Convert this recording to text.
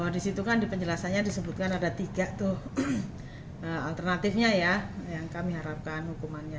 di situ kan di penjelasannya disebutkan ada tiga tuh alternatifnya ya yang kami harapkan hukumannya